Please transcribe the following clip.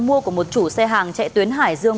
mua của một chủ xe hàng chạy tuyến hải dương